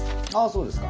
そうですか。